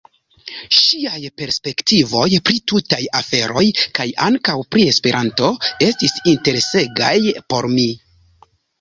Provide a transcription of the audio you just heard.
Ŝiaj perspektivoj pri tutaj aferoj, kaj ankaŭ pri Esperanto, estis interesegaj por mi.